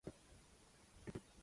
见贤思齐焉